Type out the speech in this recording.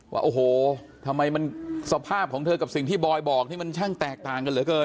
ว่าโอ้โหทำไมมันสภาพของเธอกับสิ่งที่บอยบอกนี่มันช่างแตกต่างกันเหลือเกิน